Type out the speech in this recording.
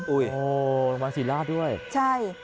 โอ้โฮมาศิริราชด้วยใช่